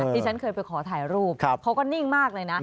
ที่ฉันเคยไปขอถ่ายรูปเขาก็นิ่งมากเลยนะ